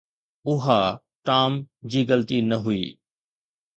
اها ٽام جي غلطي نه هئي